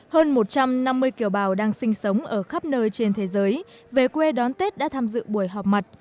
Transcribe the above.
hơn một trăm năm mươi kiều bào đang sinh sống ở khắp nơi trên thế giới về quê đón tết đã tham dự buổi họp mặt